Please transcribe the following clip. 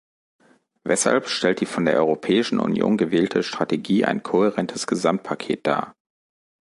Weshalb stellt die von der Europäischen Union gewählte Strategie ein kohärentes Gesamtpaket dar?